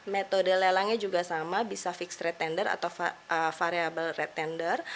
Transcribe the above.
metode lelangnya juga sama bisa fixed rate tender atau variable red tender